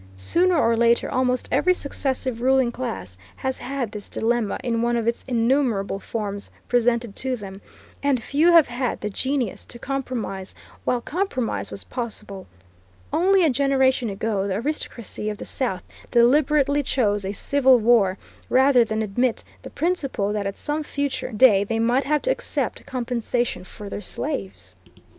Sooner or later almost every successive ruling class has had this dilemma in one of its innumerable forms presented to them, and few have had the genius to compromise while compromise was possible. Only a generation ago the aristocracy of the South deliberately chose a civil war rather than admit the principle that at some future day they might have to accept compensation for their slaves.